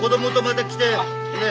ねえ。